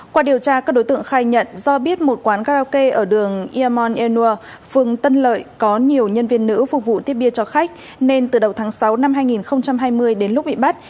qua điều tra các đối tượng khai nhận do biết một quán karaoke ở đường yamon erua phường tân lợi có nhiều nhân viên nữ phục vụ tiếp biên bia cho khách nên từ đầu tháng sáu năm hai nghìn hai mươi đến lúc bị bắt